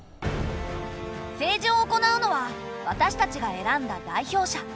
政治を行うのは私たちが選んだ代表者。